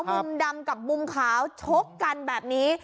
มุมดำกับมุมขาวชกกันแบบนี้